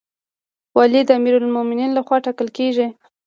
والی د امیرالمؤمنین لخوا ټاکل کیږي